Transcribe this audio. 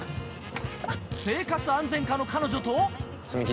生活安全課の彼女と。